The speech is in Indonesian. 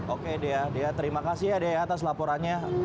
oke dia dia terima kasih ya dia atas laporannya